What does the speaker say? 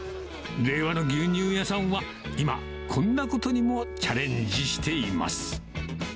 令和の牛乳屋さんは今、こんなことにもチャレンジしています。